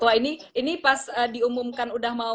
tua ini ini pas diumumkan